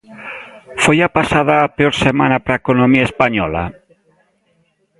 Foi a pasada a peor semana para a economía española?